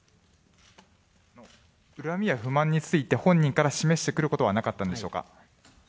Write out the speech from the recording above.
恨みや不満について、本人から示してくることはなかったんでしょうか。